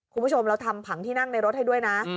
คุณผู้ชมเราทำผังที่นั่งในรถให้ด้วยนะ